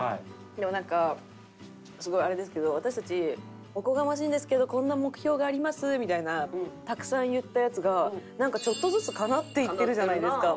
でもなんかすごいあれですけど私たちおこがましいんですけどこんな目標がありますみたいなたくさん言ったやつがなんかちょっとずつ叶っていってるじゃないですか。